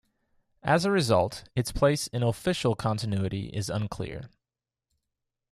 As a result, its place in "official" continuity is unclear.